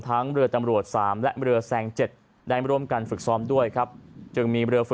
นักนี้ครับครับและออกจากการยกแทนที่บริคุม